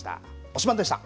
推しバン！でした。